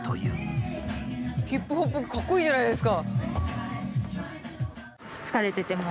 ヒップホップかっこいいじゃないですか。